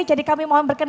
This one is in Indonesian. jadi kami mohon berkenan